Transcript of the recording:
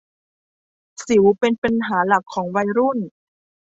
สิวเป็นปัญหาหลักของวัยรุ่น